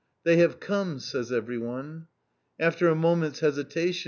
"They have come!" says everyone. After a moment's hesitation M.